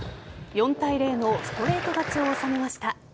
４対０のストレート勝ちを収めました。